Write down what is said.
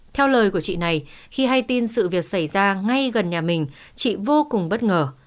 theo lời của chị này khi hay tin sự việc xảy ra ngay gần nhà mình chị vô cùng bất ngờ